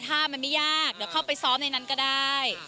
ถ้ามันไม่ยากเดี๋ยวเข้าไปซ้อมในนั้นก็ได้